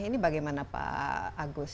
ini bagaimana pak agus